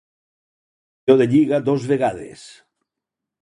Ha estat campió de lliga dos vegades.